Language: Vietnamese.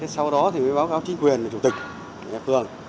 sau đó thì mới báo cáo chính quyền chủ tịch nhà phường